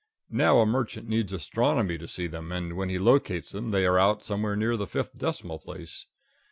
Now a merchant needs astronomy to see them, and when he locates them they are out somewhere near the fifth decimal place.